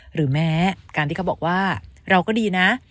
หรือแม้การที่เขาบอกว่าเราก็ดีนะ